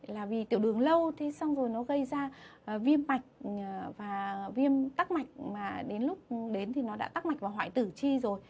là vì tiểu đường lâu thế xong rồi nó gây ra viêm mạch và viêm tắc mạch mà đến lúc đến thì nó đã tắc mạch và hoại tử chi rồi